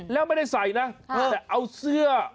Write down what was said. แล้วไม่ได้ใส่นะแต่เอาเสื้อ